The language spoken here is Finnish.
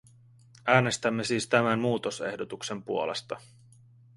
Äänestämme siis tämän muutosehdotuksen puolesta.